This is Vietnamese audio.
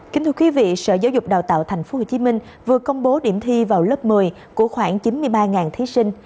kính thưa quý vị sở giáo dục đào tạo tp hcm vừa công bố điểm thi vào lớp một mươi của khoảng chín mươi ba thí sinh